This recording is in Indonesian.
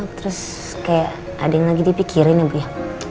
terus kayak ada yang lagi dipikirin ya bu ya